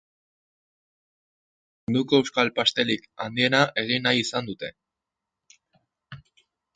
Munduko euskal pastelik handiena egin nahi izan dute.